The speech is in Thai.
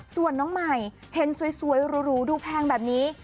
ส่วนน้องใหม่เห็นสวยหรูดูแพงแบบนี้